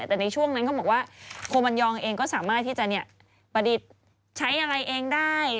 แต่ในช่วงนั้นเขาบอกว่าโคมันยองเองก็สามารถที่จะประดิษฐ์ใช้อะไรเองได้